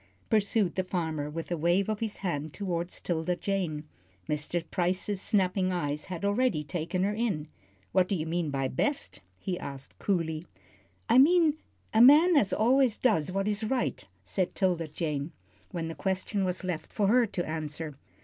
pursued the farmer, with a wave of his hand toward 'Tilda Jane. Mr. Price's snapping eyes had already taken her in. "What do you mean by best?" he asked, coolly. "I mean a man as always does what is right," said 'Tilda Jane, when the question was left for her to answer.